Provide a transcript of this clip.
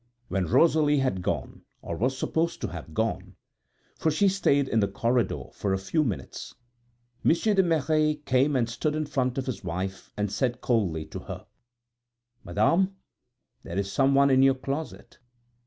When Rosalie had gone, or was supposed to have gone (for she stayed in the corridor for a few minutes), Monsieur de Merret came and stood in front of his wife, and said coldly to her: "Madame, there is someone in your closet!"